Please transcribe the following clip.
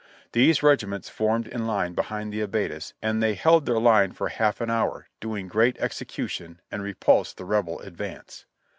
These regiments formed in line behind the abattis and they held then line for a half an hour, doing great execution, and repulsed the Rebel advance."